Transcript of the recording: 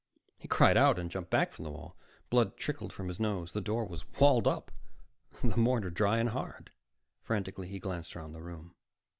He cried out and jumped back from the wall. Blood trickled from his nose. The door was walled up, the mortar dry and hard. Frantically, he glanced around the room.